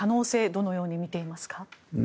どのように見ていますか？